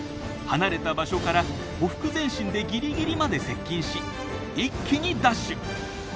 離れた場所からほふく前進でギリギリまで接近し一気にダッシュ！